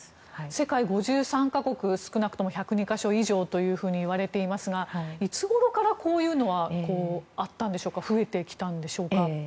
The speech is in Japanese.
世界５３か国少なくとも１０２か所以上といわれていますがいつごろから、こういうのは増えてきたんでしょうか。